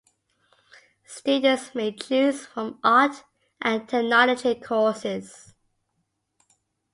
Students may choose from art and technology courses.